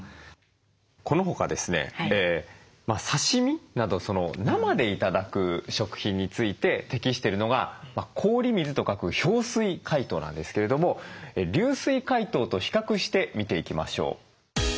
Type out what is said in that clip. この他ですね刺身など生で頂く食品について適してるのが「氷水」と書く氷水解凍なんですけれども流水解凍と比較して見ていきましょう。